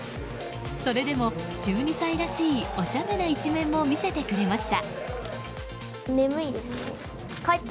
それでも１２歳らしいおちゃめな一面も見せてくれました。